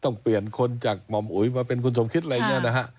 ต้องเปลี่ยนคนจากหม่อมอุ๋ยมาเป็นคุณสมคิดอะไรอย่างนี้นะฮะ